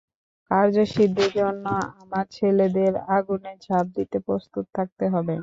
কার্যসিদ্ধির জন্য আমার ছেলেদের আগুনে ঝাঁপ দিতে প্রস্তুত থাকতে হবে।